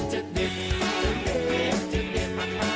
จะเด็ดจันทราจะเด็ดจะเด็ดจันทรา